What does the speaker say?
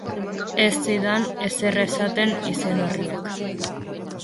Ez zidan ezer esaten izen horrek.